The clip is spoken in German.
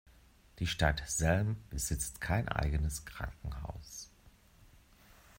Die Stadt Selm besitzt kein eigenes Krankenhaus.